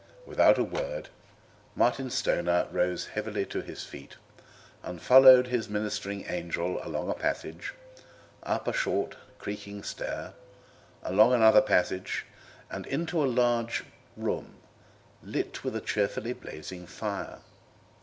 Without a word Martin Stoner rose heavily to his feet and followed his ministering angel along a passage, up a short creaking stair, along another passage, and into a large room lit with a cheerfully blazing fire.